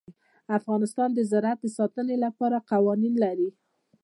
افغانستان د زراعت د ساتنې لپاره قوانین لري.